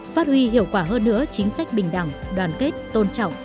phát huy hiệu quả hơn nữa chính sách bình đẳng đoàn kết tôn trọng